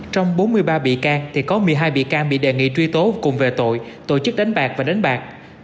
trong bốn mươi ba bị can thì có một mươi hai bị can bị đề nghị truy tố cùng về tội tổ chức đánh bạc và đánh bạc